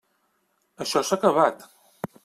Això s'ha acabat.